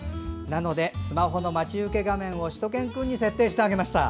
なので、スマホの待ち受け画面をしゅと犬くんに設定してあげました。